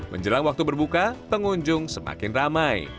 menjelang waktu berbuka pengunjung semakin ramai